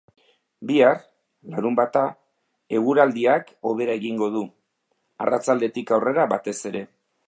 Bihar, larunbata, eguraldiak hobera egingo du, arratsaldetik aurrera batez ere.